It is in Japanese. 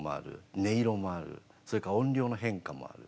それから音量の変化もある。